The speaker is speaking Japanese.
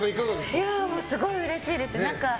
すごいうれしいです。